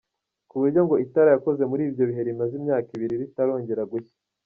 Kuburyo ngo itara yakoze muri ibyo bihe, rimaze imyaka ibiri ritarongera gushya.